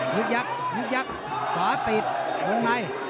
ยุคยักษ์ยุคยักษ์ขวาติดลงใน